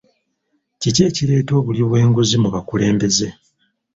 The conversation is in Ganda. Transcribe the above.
Kiki ekireeta obuli bw'enguzi mu bakulembeze?